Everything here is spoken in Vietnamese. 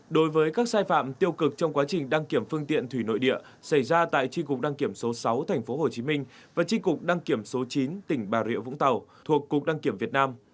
đối với các sai phạm tiêu cực trong quá trình đăng kiểm phương tiện thủy nội địa xảy ra tại tri cục đăng kiểm số sáu tp hcm và tri cục đăng kiểm số chín tỉnh bà rịa vũng tàu thuộc cục đăng kiểm việt nam